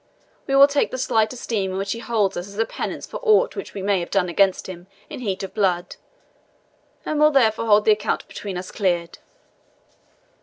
We will take the slight esteem in which he holds us as a penance for aught which we may have done against him in heat of blood, and will therefore hold the account between us cleared."